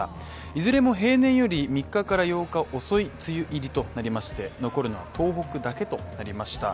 いずれも平年より３日から８日遅い梅雨入りとなりまして、残るのは東北だけとなりました。